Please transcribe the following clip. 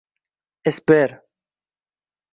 cbr